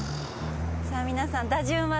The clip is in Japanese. さあ皆さん。